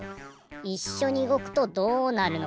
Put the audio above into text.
いっしょにうごくとどうなるのか。